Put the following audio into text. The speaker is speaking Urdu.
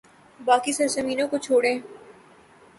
باقی سرزمینوں کو چھوڑیں۔